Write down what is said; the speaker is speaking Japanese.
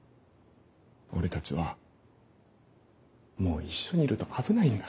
俺たちはもう一緒にいると危ないんだ。